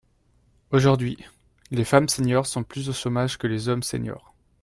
Aujourd’hui, les femmes seniors sont plus au chômage que les hommes seniors.